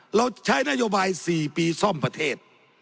เราใช้นโยบาย๔ปีซ่อมประเทศ